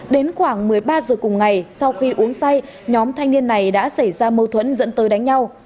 đến khoảng một mươi ba giờ cùng ngày sau khi uống say nhóm thanh niên này đã xảy ra mâu thuẫn dẫn tới đánh nhau